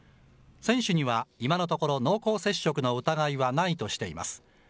選手には今のところ、濃厚接触の疑いはないとしています。